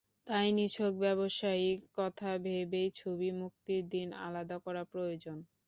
তাই নিছক ব্যবসায়িক কথা ভেবেই ছবি মুক্তির দিন আলাদা করা প্রয়োজন।